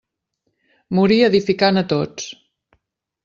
Morí edificant a tots.